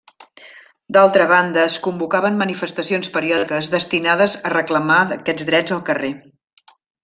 D'altra banda es convocaven manifestacions periòdiques destinades a reclamar aquests drets al carrer.